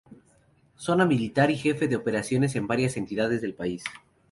Zona Militar y jefe de operaciones en varias entidades del país.